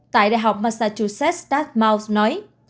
tại đại học massachusetts dartmouth nói